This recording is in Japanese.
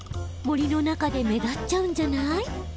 森の中で目立っちゃうんじゃない？